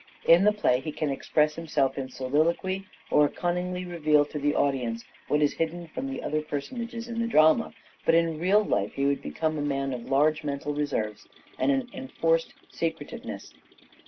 In the play he can express himself in soliloquy or cunningly reveal to the audience what is hidden from the other personages in the drama ; but in real life he would DRAMATIC SELF REVELATION 463 become a man of large mental reserves and an enforced secretiveness.